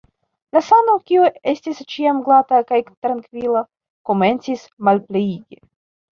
La sano, kiu estis ĉiam glata kaj trankvila, komencis malpliigi.